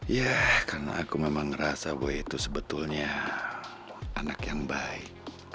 ya karena aku memang ngerasa gue itu sebetulnya anak yang baik